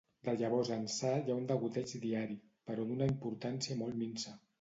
De llavors ençà hi ha un degoteig diari, però d’una importància molt minsa.